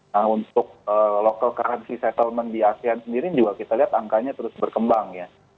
nah untuk local currency settlement di asean sendiri juga kita lihat angkanya terus berkembang ya